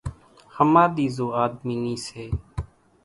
ۿماۮِي زو آۮمي نِي سي